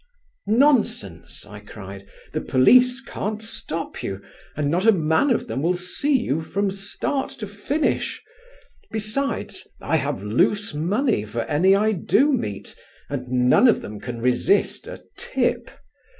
"Nonsense," I cried, "the police can't stop you and not a man of them will see you from start to finish. Besides, I have loose money for any I do meet, and none of them can resist a 'tip.'